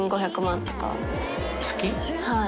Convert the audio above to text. はい。